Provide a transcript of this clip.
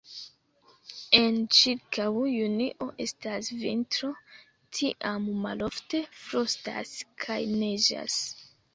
En ĉirkaŭ junio estas vintro, tiam malofte frostas kaj neĝas.